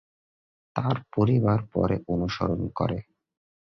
তার পরিবার পরে অনুসরণ করে।